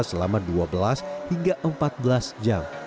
selama dua belas hingga empat belas jam